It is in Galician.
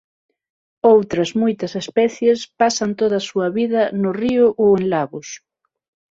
Outras moitas especies pasan toda a súa vida no río ou en lagos.